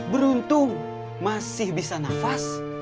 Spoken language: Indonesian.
beruntung masih bisa nafas